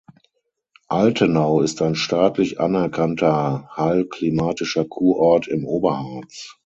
Altenau ist ein staatlich anerkannter heilklimatischer Kurort im Oberharz.